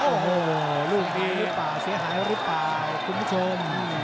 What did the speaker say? โอ้โหรูปภาพเสียหายรึเปล่าคุณผู้ชม